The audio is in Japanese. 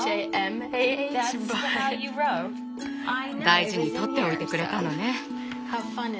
大事に取っておいてくれたのね。